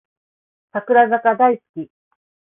櫻坂大好き